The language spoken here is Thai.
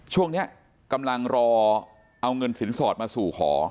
ช่วงนี้กำลังรอเอาเงินสินสอดมาสู่ขอ